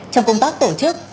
trong công tác tổ chức